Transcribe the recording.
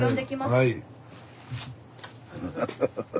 はい。